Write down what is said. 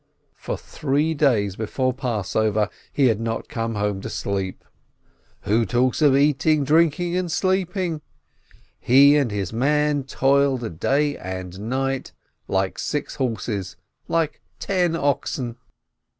For three days before Passover he had not come home to sleep. Who talks of eating, drinking, and sleeping? He and his man toiled day and night, like six horses, like ten oxen.